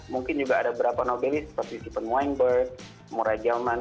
mungkin juga ada beberapa nobelis seperti stephen weinberg murray gelman